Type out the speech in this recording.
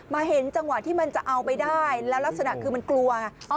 เห็นจังหวะที่มันจะเอาไปได้แล้วลักษณะคือมันกลัวไง